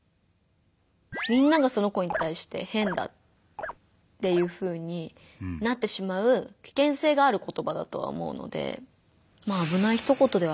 みんながその子にたいして変だっていうふうになってしまう危険性がある言葉だとは思うので。